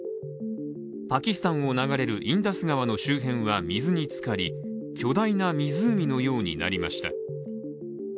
パキスタンを流れるインダス川の周辺は水につかり、巨大な湖のようになりました。